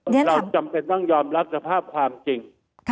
เราจำเป็นต้องยอมรับสภาพความจริง